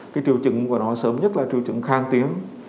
cái triệu chứng của nó sớm nhất là triệu chứng khang tiếng